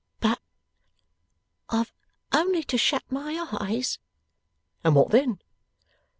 'But I've only to shut my eyes.' 'And what then?